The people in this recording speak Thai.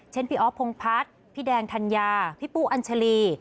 เช่นพี่อ๊อภพงภัทรพี่แดงธัญญาพี่ปู่อัญชรี